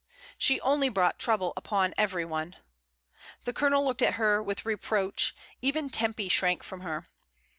She only brought trouble upon every one. The Colonel looked at her with reproach; even Tempy shrank from her.